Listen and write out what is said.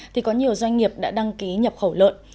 thì có nhiều doanh nghiệp đã đăng ký nhập khẩu lợn